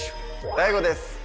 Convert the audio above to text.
ＤＡＩＧＯです。